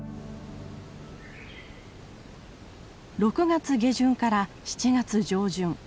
６月下旬から７月上旬。